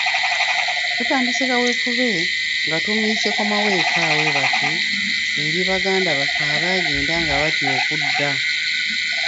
Tutandise kaweefube nga tumuyise Komawo eka weebake eri baganda baffe abaagenda nga batya okudda.